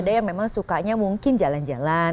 ada yang memang sukanya mungkin jalan jalan